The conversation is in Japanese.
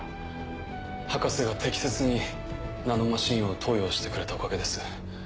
博士が適切にナノマシンを投与してくれたおかげです。